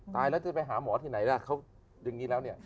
ตายแล้วจะไปหาหมอที่ไหนล่ะเขาอย่างนี้แล้วเนี่ย